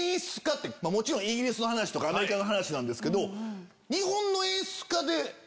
もちろんイギリスの話とかアメリカの話なんですけど。